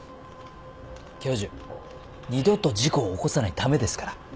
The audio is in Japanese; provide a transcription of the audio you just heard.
教授二度と事故を起こさないためですから。